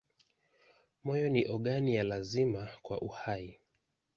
Moyo ni ogani ya lazima kwa uhai.